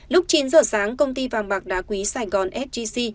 lúc chín giờ sáng công ty vàng bạc đá quý sài gòn sgc